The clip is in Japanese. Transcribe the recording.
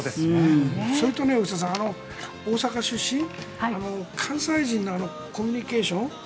それと、大下さん大阪出身関西人のコミュニケーション。